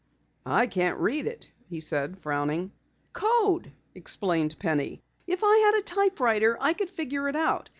"I can't read it," he said, frowning. "Code," explained Penny. "If I had a typewriter I could figure it out.